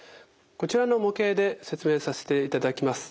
こちらの模型で説明させていただきます。